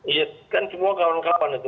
iya kan semua kawan kawan itu